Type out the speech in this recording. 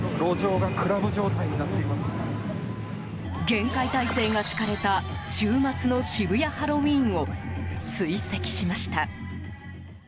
厳戒態勢が敷かれた週末の渋谷ハロウィーンを追跡しました。